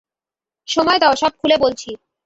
সময় দাও, সব খুলে বলছি।